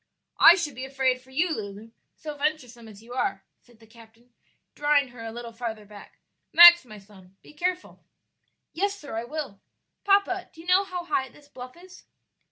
"I should be afraid for you, Lulu, so venturesome as you are," said the captain, drawing her a little farther back. "Max, my son, be careful." "Yes, sir, I will. Papa, do you know how high this bluff is?"